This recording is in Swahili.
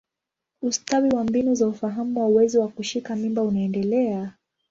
Ustawi wa mbinu za ufahamu wa uwezo wa kushika mimba unaendelea.